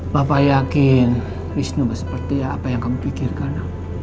bapak yakin wisnu seperti apa yang kamu pikirkan